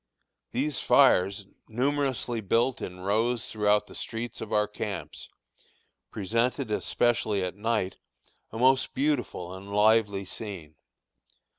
These fires, numerously built in rows throughout the streets of our camps, presented, especially at night, a most beautiful and lively scene.